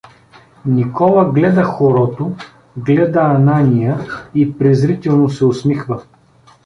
Никола гледа хорото, гледа Анания и презрително се усмихва.